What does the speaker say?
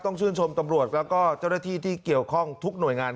ชื่นชมตำรวจแล้วก็เจ้าหน้าที่ที่เกี่ยวข้องทุกหน่วยงาน